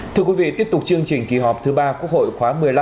thưa quý vị tiếp tục chương trình kỳ họp thứ ba quốc hội khóa một mươi năm